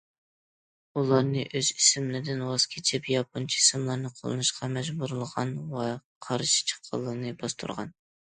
ئۇلارنى ئۆز ئىسىملىرىدىن ۋاز كېچىپ ياپونچە ئىسىملارنى قوللىنىشقا مەجبۇرلىغان ۋە قارشى چىققانلارنى باستۇرغان.